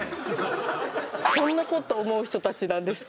そんな事思う人たちなんですか？